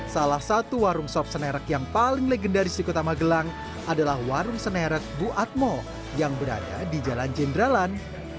salah satu warung sop senerak yang paling legendaris di kota magelang adalah warung senerak bu atmo yang berada di jalan jenderallan